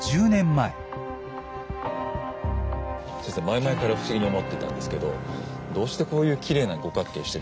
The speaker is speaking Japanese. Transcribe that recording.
実は前々から不思議に思ってたんですけどどうしてこういうきれいな五角形してるんですか？